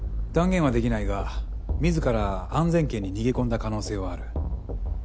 断言はできないが自ら安全圏に逃げ込んだ可能性はある。